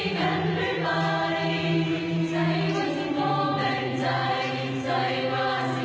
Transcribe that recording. ถึงใจว่าสิ่งนี้แร้แพ้